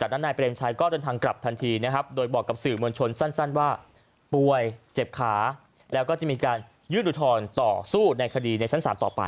จากนั้นนายเปรมชัยก็เดินทางกลับทันทีนะครับโดยบอกกับสื่อมวลชนสั้นว่าป่วยเจ็บขาแล้วก็จะมีการยื่นอุทธรณ์ต่อสู้ในคดีในชั้นศาลต่อไป